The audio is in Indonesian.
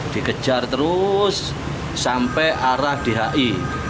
dikejar terus sampai arah dhi